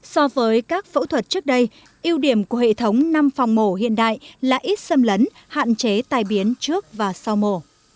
so với các phẫu thuật trước đây ưu điểm của hệ thống năm phòng mổ hiện đại là ít xâm lấn hạn chế tài biến trước và sau mổ